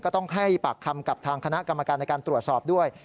ต้องให้ปากคำกับทางคณะกรรมการในการตรวจสอบด้วย